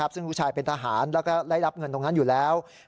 ซึ่งลูกชายเป็นทหารแล้วก็ได้รับเงินตรงนั้นอยู่แล้ว